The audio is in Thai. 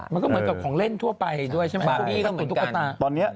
มันก็เหมือนกับของเล่นทั่วไปด้วยใช่ไหมครับพวกนี้ก็เหมือนกัน